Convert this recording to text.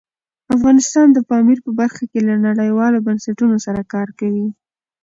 افغانستان د پامیر په برخه کې له نړیوالو بنسټونو سره کار کوي.